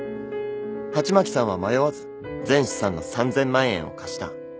鉢巻さんは迷わず全資産の３，０００万円を貸した。